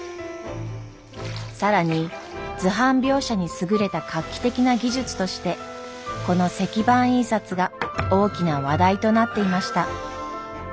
更に図版描写に優れた画期的な技術としてこの石版印刷が大きな話題となっていました。